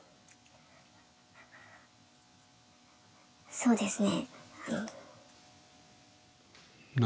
そうですね。